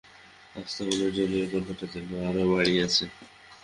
আস্তাবলের ড্রেনের গন্ধটা যেন আরও বাড়িয়াছে।